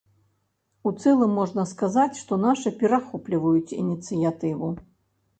У цэлым можна сказаць, што нашы перахопліваюць ініцыятыву.